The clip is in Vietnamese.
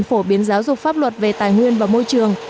phổ biến giáo dục pháp luật về tài nguyên và môi trường